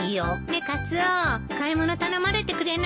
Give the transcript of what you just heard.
ねえカツオ買い物頼まれてくれない？